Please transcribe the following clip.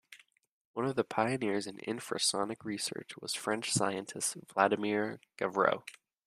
One of the pioneers in infrasonic research was French scientist Vladimir Gavreau.